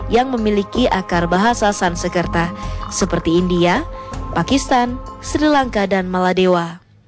yang memiliki akar bahasa sansekerta seperti india pakistan sri lanka dan maladewa